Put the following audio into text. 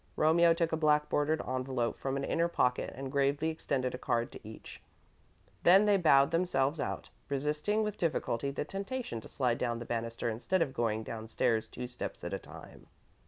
Romeo took a black bordered envelope from an inner pocket and gravely extended a card to each. Then they bowed themselves out, resisting with difficulty the temptation to slide down the banister instead of going downstairs two steps at a time.